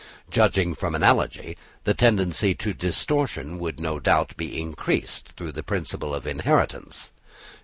Judging from analogy, the tendency to distortion would no doubt be increased through the principle of inheritance.